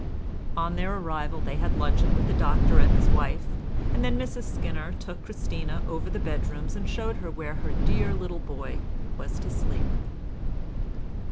On their arrival they had luncheon with the Doctor and his wife, and then Mrs Skinner took Christina over the bedrooms, and showed her where her dear little boy was to sleep.